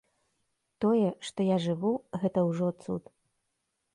Тое, што я жыву, гэта ўжо цуд.